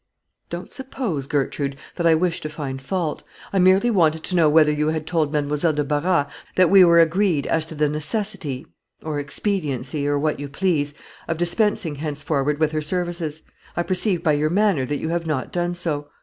"Don't suppose, Gertrude, that I wish to find fault. I merely wanted to know whether you had told Mademoiselle de Barras that we were agreed as to the necessity or expediency, or what you please, of dispensing henceforward with her services, I perceive by your manner that you have not done so.